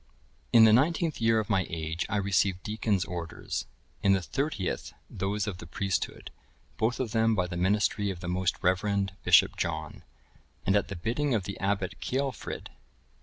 In the nineteenth year of my age, I received deacon's orders; in the thirtieth, those of the priesthood, both of them by the ministry of the most reverend Bishop John,(1045) and at the bidding of the Abbot Ceolfrid.